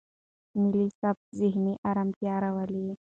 مالي ثبات ذهني ارامتیا راولي.